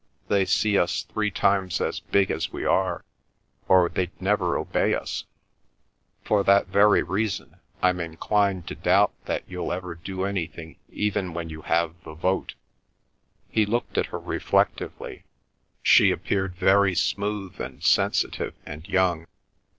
They see us three times as big as we are or they'd never obey us. For that very reason, I'm inclined to doubt that you'll ever do anything even when you have the vote." He looked at her reflectively. She appeared very smooth and sensitive and young.